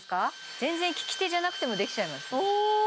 全然利き手じゃなくてもできちゃいます